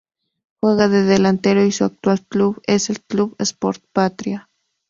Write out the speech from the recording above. Juega de delantero y su actual club es el Club Sport Patria.